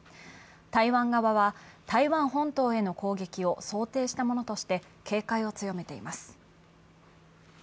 台湾側は、台湾本島への攻撃を想定したものとして警戒を強めています。